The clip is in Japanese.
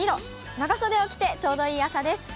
長袖を着てちょうどいい朝です。